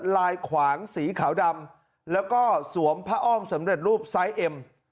ลายขวางสีขาวดำแล้วก็สวมผ้าอ้อมสำเร็จรูปไซส์เอ็ม